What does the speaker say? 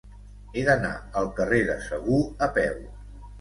He d'anar al carrer de Segur a peu.